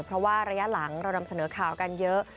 เพราะว่าระยะหลังเรานำเสนอข่าวกันเยอะ